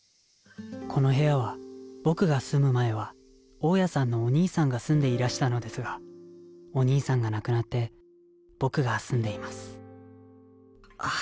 この部屋は僕が住む前は大家さんのお兄さんが住んでいらしたのですがお兄さんが亡くなって僕が住んでいますあぁ